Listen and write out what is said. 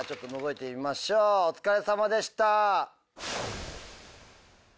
お疲れさまでした。